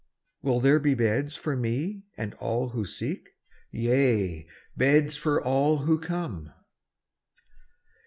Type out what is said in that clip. Will there be beds for me and all who seek? Yea, beds for all who come.